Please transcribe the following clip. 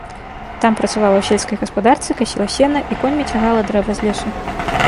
Там працавала ў сельскай гаспадарцы, касіла сена і коньмі цягала дрэва з лесу.